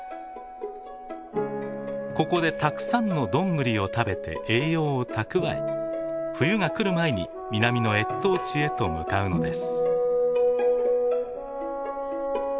ここでたくさんのドングリを食べて栄養を蓄え冬が来る前に南の越冬地へと向かうのです。